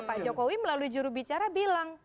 pak jokowi melalui jurubicara bilang